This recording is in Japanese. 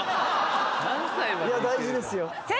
いや大事ですよ。